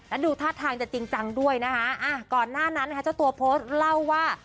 แล้วดูท่าทางจะจริงจังด้วยนะคะก่อนหน้านั้นนะคะเจ้าตัวโพสต์เล่าว่า